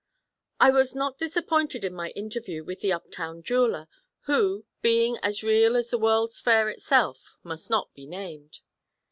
I was not disappointed in my interview with the up town jeweller, who, being as real as the World's Fair itself, must not be named.